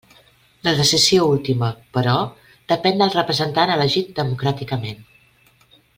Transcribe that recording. La decisió última, però, depén del representant elegit democràticament.